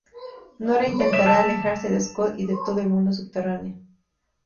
Nora intentará alejarse de Scott y de todo el mundo subterráneo.